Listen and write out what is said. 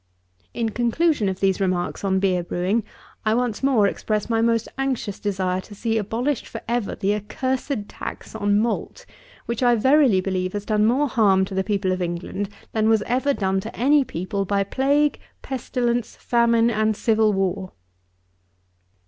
In conclusion of these remarks on beer brewing, I once more express my most anxious desire to see abolished for ever the accursed tax on malt, which, I verily believe, has done more harm to the people of England than was ever done to any people by plague, pestilence, famine, and civil war.